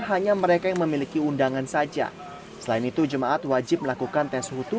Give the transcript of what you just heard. hanya mereka yang memiliki undangan saja selain itu jemaat wajib melakukan tes utuh